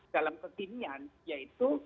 dalam kekinian yaitu